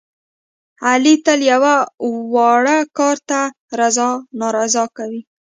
علي تل یوه واړه کار ته رضا نارضا کوي.